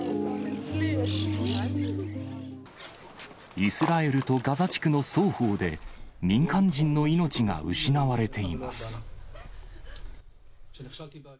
イスラエルとガザ地区の双方で、民間人の命が失われています。